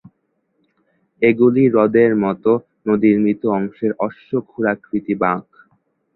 এগুলি হ্রদের মতো নদীর মৃত অংশের অশ্ব খুরাকৃতি বাঁক।